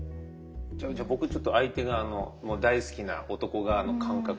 じゃあ僕ちょっと相手側の大好きな男側の感覚で言うと。